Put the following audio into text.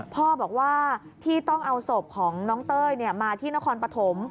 พ่อบอกว่าที่ต้องเอาศพของน้องเต้ยมาที่นครปฐม